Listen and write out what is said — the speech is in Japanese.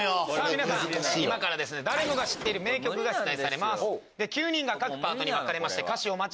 皆さん今から誰もが知ってる名曲が出題されます。